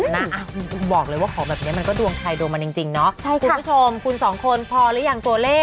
อ๋อน่าอาวบอกเลยว่าของแบบนี้มันก็ดวงชัยโดมันจริงเนาะ